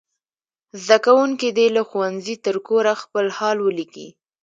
زده کوونکي دې له ښوونځي تر کوره خپل حال ولیکي.